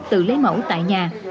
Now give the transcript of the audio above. tự lấy mẫu tại nhà